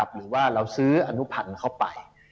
หรือว่าเราซื้ออนุพันธ์เข้าไป